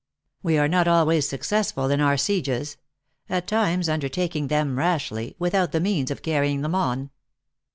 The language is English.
" We are not always successful in our sieges at times undertaking them rashly, without the means of carrying them on.